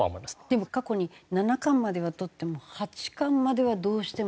でも過去に七冠までは取っても八冠まではどうしてもいかないっていう。